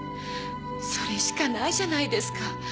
それしかないじゃないですか！